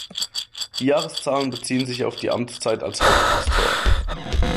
Die Jahreszahlen beziehen sich auf die Amtszeit als Hauptpastor.